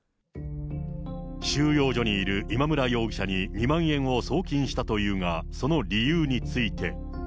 収容所にいる今村容疑者に２万円を送金したというが、その理由について。